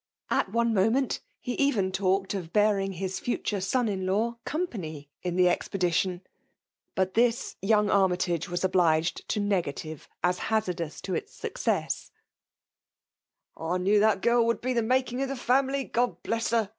At one moment, he even talked of bearing his fhtore son in law company in the expedition ; VOL. r. ^ 90 PKMALB DOMIKATIOK. but ihis, yoatig Army ti^ was obliged to nega tive a$ hazardous to its success. " I knew that girl would be tbe making oF the family, God Uess her